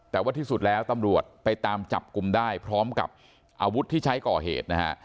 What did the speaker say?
แต่ว่าที่สุดแล้วตำรวจไปตามจับกลุ่มได้พร้อมกับอาวุธที่ใช้ก่อเหตุนะฮะ